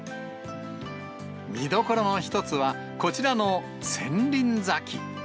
見どころの一つは、こちらの千輪咲。